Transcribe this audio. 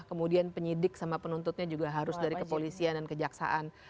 kemudian penyidik sama penuntutnya juga harus dari kepolisian dan kejaksaan